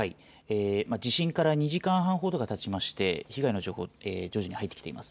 地震から２時間半ほどがたちまして被害の情報、徐々に入ってきています。